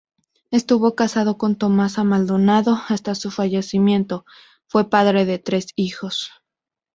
Estuvo casado con Tomasa Maldonado hasta su fallecimiento, fue padre de tres hijos.